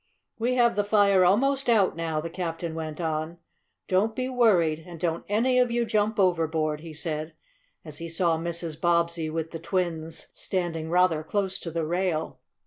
"We have the fire almost out now," the captain went on. "Don't be worried, and don't any of you jump overboard," he said as he saw Mrs. Bobbsey, with the twins, standing rather close to the rail.